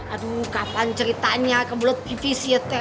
aduh kapan ceritanya keblot pvc ya t